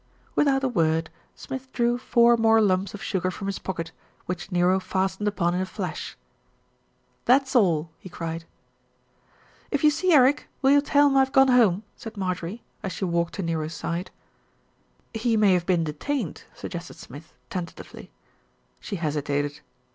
Without a word, Smith drew four more lumps of sugar from his pocket, which Nero fastened upon in a flash. "That's all," he cried. "If you see Eric, will you tell him I have gone home?" said Marjorie, as she walked to Nero's side. "He may have been detained," suggested Smith, ten tatively. She hesitated.